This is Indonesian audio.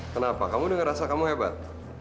kenapa kamu udah ngerasa kamu hebat